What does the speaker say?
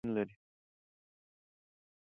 افغانستان د پابندی غرونه د ساتنې لپاره قوانین لري.